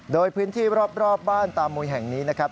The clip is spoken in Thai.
โดยพื้นที่รอบบ้านตามุยแห่งนี้นะครับ